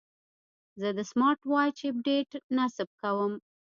زه د سمارټ واچ اپډیټ نصب کوم.